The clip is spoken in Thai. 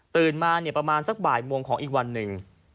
มาเนี่ยประมาณสักบ่ายโมงของอีกวันหนึ่ง